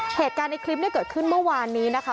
เหตุการณ์ในคลิปเนี่ยเกิดขึ้นเมื่อวานนี้นะคะ